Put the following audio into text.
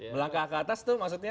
melangkah ke atas tuh maksudnya